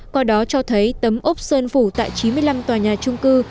qua đó cho thấy tấm ốc sơn phủ tại chín mươi năm tòa nhà trung cư